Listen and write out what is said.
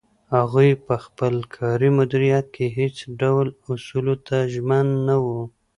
هغوی په خپل کاري مدیریت کې هیڅ ډول اصولو ته ژمن نه وو.